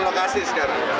tiga puluh lokasi sekarang